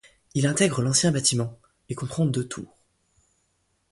Il intègre l'ancien bâtiment, et comprend deux tours.